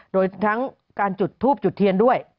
โดยทั้งการจุดทูบจุดเทียนด้วย